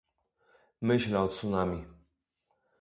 Myślę o tsunami